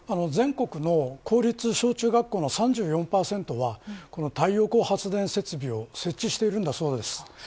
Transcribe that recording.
全国の公立小中学校の３４％はこの太陽光発電設備を設置しているんだそうです。